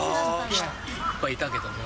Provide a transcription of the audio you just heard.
人がいっぱいいたけども。